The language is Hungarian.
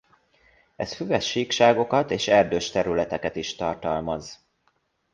Ez füves síkságokat és erdős területeket is tartalmaz.